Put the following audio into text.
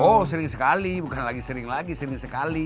oh sering sekali bukan lagi sering lagi sering sekali